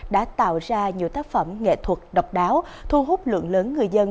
đã tạo ra nhiều tác phẩm nghệ thuật độc đáo thu hút lượng lớn người dân